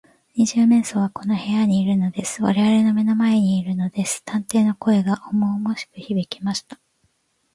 「二十面相はこの部屋にいるのです。われわれの目の前にいるのです」探偵の声がおもおもしくひびきました。